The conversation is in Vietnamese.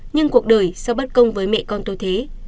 nhưng cuộc đời sao bất công với mẹ con tôi thế